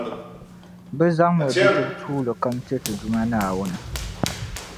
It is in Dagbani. bɛ zaŋmi bidib’ tuuli kam ti ti Duuma Naawuni.